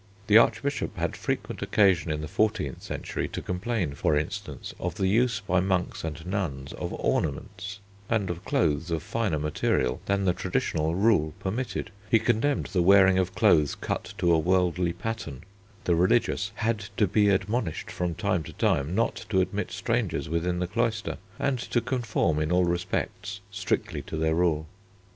The Archbishop had frequent occasion in the fourteenth century to complain, for instance, of the use by monks and nuns of ornaments, and of clothes of finer material than the traditional rule permitted. He condemned the wearing of clothes cut to a worldly pattern. The religious had to be admonished from time to time not to admit strangers within the cloister, and to conform in all respects strictly to their rule.